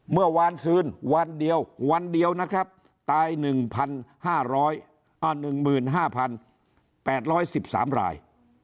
เมื่อวานซื้นวันเดียววันเดียวนะครับตาย๑๕๐๐อ้าว๑๕๘๑๓ราย